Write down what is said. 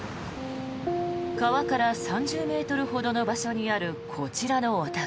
川から３０ｍほどの場所にあるこちらのお宅。